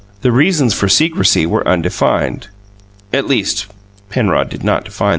The reasons for secrecy were undefined; at least, Penrod did not define them.